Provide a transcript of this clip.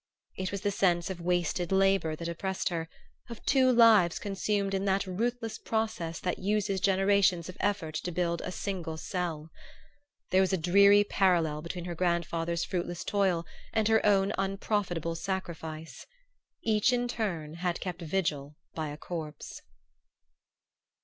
It was the sense of wasted labor that oppressed her; of two lives consumed in that ruthless process that uses generations of effort to build a single cell. There was a dreary parallel between her grandfather's fruitless toil and her own unprofitable sacrifice. Each in turn had kept vigil by a corpse.